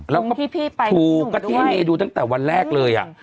แล้วก็พี่ไปถูกก็ที่ให้เมย์ดูตั้งแต่วันแรกเลยอ่ะ